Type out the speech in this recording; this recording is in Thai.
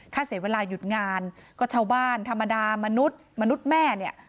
เสียเวลาหยุดงานก็ชาวบ้านธรรมดามนุษย์มนุษย์แม่เนี่ย